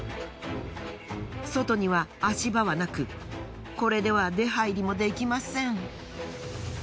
外には足場はなくこれでは出はいりもできません。